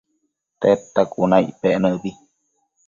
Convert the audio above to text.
Tedta cuna icpec nëbi